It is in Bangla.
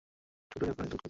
ছোটি, জাফরানের দুধ কোথায়?